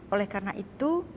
oleh karena itu